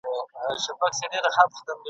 غمګین مه راته زنګېږه مه را شمېره خپل دردونه !.